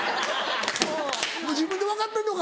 自分で分かってんのか